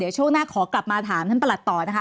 เดี๋ยวช่วงหน้าขอกลับมาถามท่านประหลัดต่อนะคะ